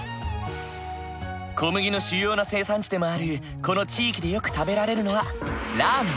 小麦の主要な生産地でもあるこの地域でよく食べられるのはラーメン。